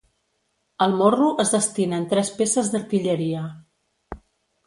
Al morro es destinen tres peces d'artilleria.